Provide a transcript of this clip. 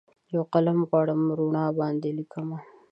یوقلم غواړم روڼا باندې لیکمه